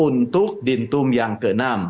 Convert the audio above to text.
untuk dintum yang ke enam